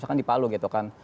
bahkan di palu gitu kan